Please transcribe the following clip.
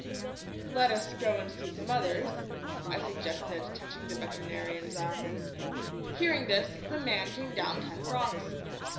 "Let us go and see some others," I suggested, touching the veterinarian's arm. Hearing this, the man came down ten francs.